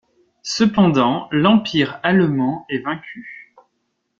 Cependant, l' Empire Allemand est vaincu.